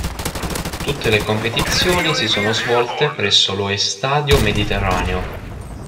Tutte le competizioni si sono svolte presso lo "Estadio Mediterraneo".